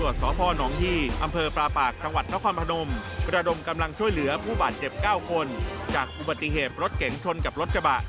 จากอุบัติเหตุรถเก๋งชนกับรถกระบะ